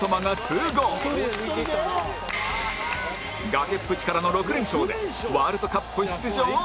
崖っぷちからの６連勝でワールドカップ出場を決めた